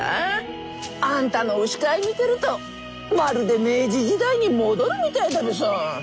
あんたの牛飼い見てるとまるで明治時代に戻るみたいだべさ。